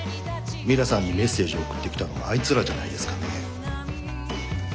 ミラさんにメッセージを送ってきたのもあいつらじゃないですかね？